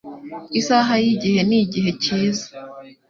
Isaha yigihe nigihe cyiza